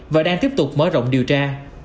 và đang tiếp tục mở rộng điều tra